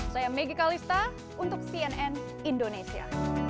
saya megi kalista untuk cnn indonesia